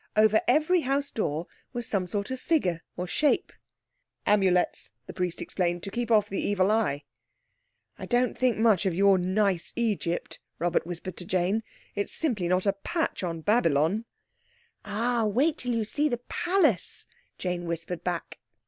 Over every house door was some sort of figure or shape. "Amulets," the priest explained, "to keep off the evil eye." "I don't think much of your 'nice Egypt'," Robert whispered to Jane; "it's simply not a patch on Babylon." "Ah, you wait till you see the palace," Jane whispered back.